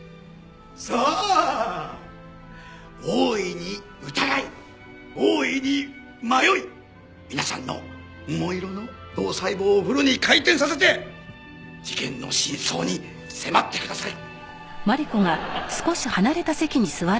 さあ大いに疑い大いに迷い皆さんの桃色の脳細胞をフルに回転させて事件の真相に迫ってください。